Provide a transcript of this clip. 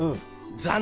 残念！